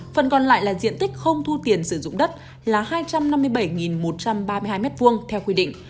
phần còn lại là diện tích không thu tiền sử dụng đất là hai trăm năm mươi bảy một trăm ba mươi hai m hai theo quy định